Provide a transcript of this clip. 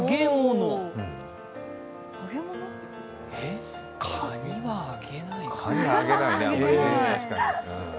確かにカニは揚げないね。